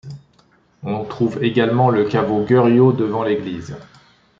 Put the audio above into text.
On trouve également le caveau Gœuriot, devant l'église.